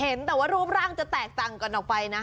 เห็นแต่ว่ารูปร่างจะแตกต่างกันออกไปนะ